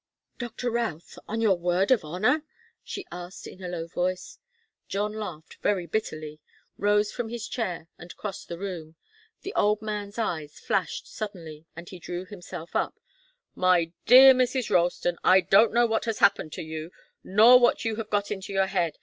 "Doctor Routh on your word of honour?" she asked in a low voice. John laughed very bitterly, rose from his chair, and crossed the room. The old man's eyes flashed suddenly, and he drew himself up. "My dear Mrs. Ralston, I don't know what has happened to you, nor what you have got into your head.